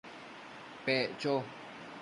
Pec cho